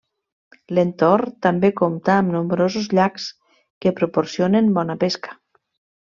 L'entorn també compta amb nombrosos llacs que proporcionen bona pesca.